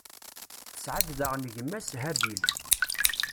Tesɛa-d daɣen gma-s, Habil.